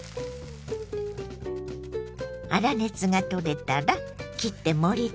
粗熱が取れたら切って盛りつけましょ。